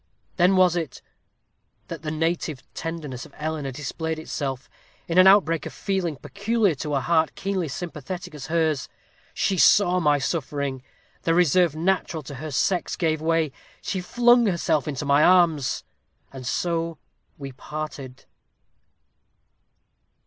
Then was it that the native tenderness of Eleanor displayed itself, in an outbreak of feeling peculiar to a heart keenly sympathetic as hers. She saw my suffering the reserve natural to her sex gave way she flung herself into my arms and so we parted.